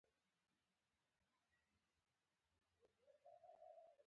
د مومندو او ماموندو ننګ هر رنګ دی